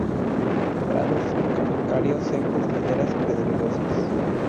Prados calcáreos secos, laderas pedregosas.